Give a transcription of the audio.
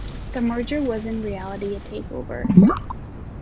The merger was in reality, a takeover.